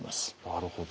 なるほど。